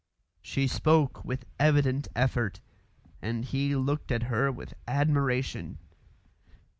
She spoke with evident effort, and he looked at her with admiration.